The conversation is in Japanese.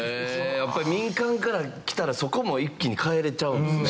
やっぱり民間から来たらそこも一気に変えれちゃうんですね。